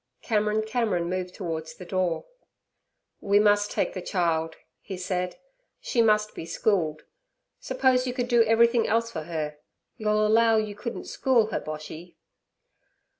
Cameron Cameron moved towards the door. 'We must take the child' he said; 'she must be schooled. Suppose you could do everything else for her, you'll allow you couldn't school her, Boshy?'